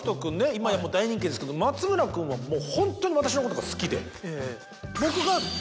今やもう大人気ですけど松村君はもうホントに私のことが好きで。